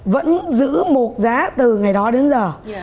vẫn giữ một giá từ ngày đó đến giờ